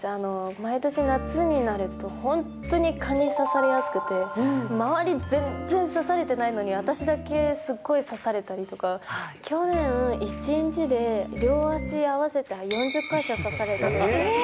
毎年夏になると、本当に蚊に刺されやすくて、周り全然刺されてないのに、私だけすっごい刺されたりとか、去年、１日で両脚合わせたら４０か所刺されたりとかして。